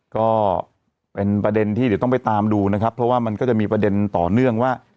ก็เป็นประเด็นที่เดี๋ยวต้องไปตามดูนะครับเพราะว่ามันก็จะมีประเด็นต่อเนื่องว่า